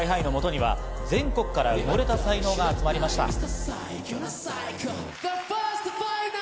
ＳＫＹ−ＨＩのもとには、全国から埋もれた才能が集まりました。